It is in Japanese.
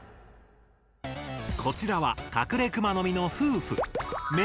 こちらはカクレクマノミの夫婦。